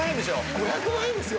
５００万円ですよ？